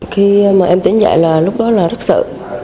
khi mà em tỉnh dậy là lúc đó là rất sợ